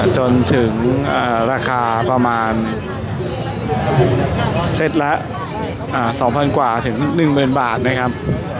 จนถึงราคาประมาณเซตละ๒๐๐กว่าถึง๑๐๐บาทนะครับ